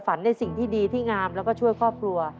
ในสิ่งที่ดีที่งามแล้วก็ช่วยครอบครัว